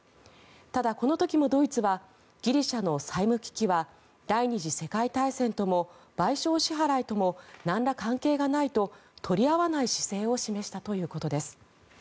ただ、この時もドイツはギリシャの債務危機は第２次世界大戦とも賠償支払いともなんら関係がないと取り合わない姿勢を示したということです。